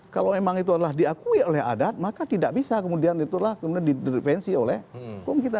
kalau memang itu adalah diakui oleh adat maka tidak bisa kemudian itu adalah kemudian di defensi oleh hukum kita